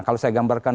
kalau saya gambarkan